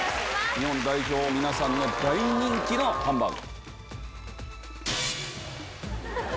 日本代表の皆さんの大人気のハンバーグ。